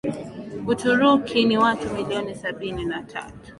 Uturuki ni watu milioni sabini na tatu